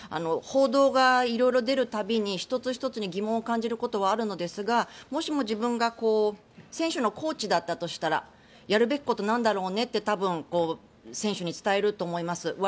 報道が色々出る度に１つ１つに疑問を感じることはあるのですがもしも自分が選手のコーチだったとしたらやるべきこと、なんだろうねって多分、選手に伝えると思います。